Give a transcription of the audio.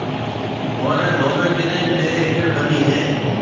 مهاريَ موميَ ڪنَي ڏيه ايڪڙ ٻنِي هيَ۔